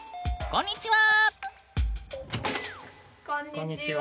こんにちは！